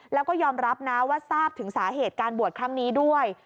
แล้วก็ยอมรับนะว่าทราบถึงสาเหตุการบวชครั้งนี้ด้วย